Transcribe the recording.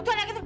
tuh anak itu